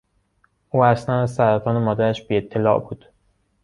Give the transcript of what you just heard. او اصلا از سرطان مادرش بیاطلاع بود.